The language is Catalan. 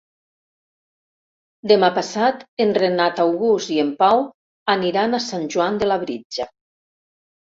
Demà passat en Renat August i en Pau aniran a Sant Joan de Labritja.